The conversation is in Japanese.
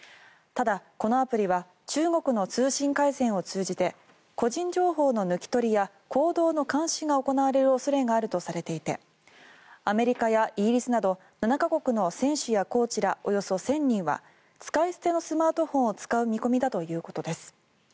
ただ、このアプリは中国の通信回線を通じて個人情報の抜き取りや行動の監視が行われる恐れがあるとされていてアメリカやイギリスなど７か国の選手やコーチらおよそ１０００人は使い捨てのスマートフォンを使う見込みだということです。